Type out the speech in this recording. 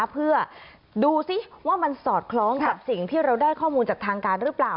เพื่อดูสิว่ามันสอดคล้องกับสิ่งที่เราได้ข้อมูลจากทางการหรือเปล่า